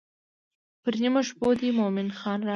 پر نیمو شپو دې مومن خان راوی.